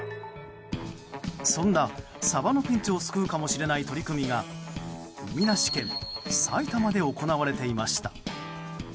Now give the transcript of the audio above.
そんなサバのピンチを救うかもしれない取り組みが海なし県、埼玉で行われていました。